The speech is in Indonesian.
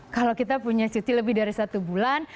kalau kita punya cuti lebih dari satu bulan